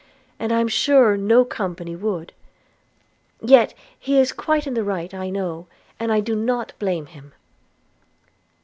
and I am sure no company would. – Yet he is quite in the right, I know, and I do not blame him.'